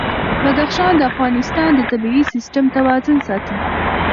بدخشان د افغانستان د طبعي سیسټم توازن ساتي.